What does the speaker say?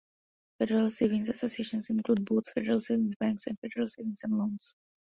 Federal savings associations include both Federal Savings Banks and Federal Savings and Loans.